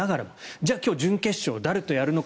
じゃあ今日準決勝誰とやるのか。